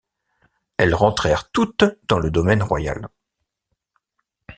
Elles rentrèrent toutes dans le domaine royal.